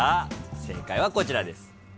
正解はこちらです。